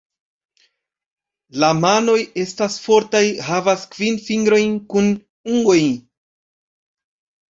La manoj estas fortaj, havas kvin fingrojn kun ungoj.